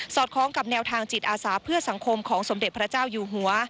คล้องกับแนวทางจิตอาสาเพื่อสังคมของสมเด็จพระเจ้าอยู่หัว